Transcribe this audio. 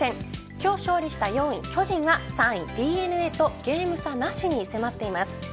今日勝利した４位巨人は３位ＤｅＮＡとゲーム差なしに迫っています。